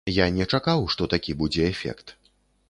Я не чакаў, што такі будзе эфект.